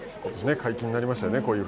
解禁になりましたよね